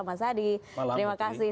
mas adi terima kasih